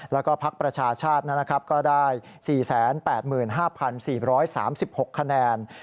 แล้วก็พักประชาชาติก็ได้๔๘๕๔๓๖คะแนน